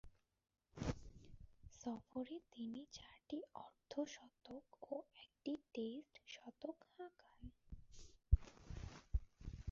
সফরে তিনি চারটি অর্ধ-শতক ও একটি টেস্ট শতক হাঁকান।